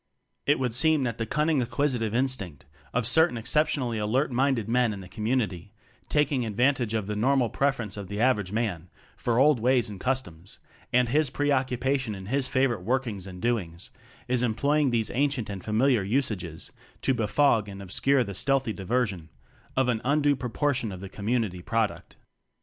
It would seem that the cunning acquisitive instinct of certain excep tionally alert minded men in the com munity taking advantage of the normal preference of the average man for old ways and customs, and his preoccupation in his favorite work ings and doings is employing these ancient and familiar usages to befog and obscure the stealthy diversion of an undue proportion of the Commun ity Product.